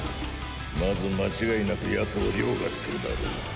まず間違いなくヤツを凌駕するだろう。